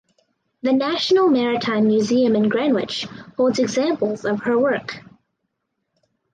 The National Maritime Museum in Greenwich holds examples of her work.